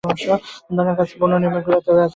আপনার কাছে কী বন্য নিমের গুঁড়া, বা তেল আছে?